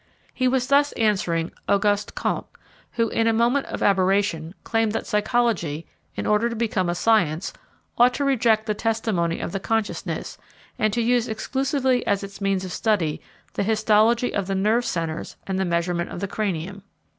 He was thus answering Auguste Comte, who, in a moment of aberration, claimed that psychology, in order to become a science, ought to reject the testimony of the consciousness, and to use exclusively as its means of study the histology of the nerve centres and the measurement of the cranium.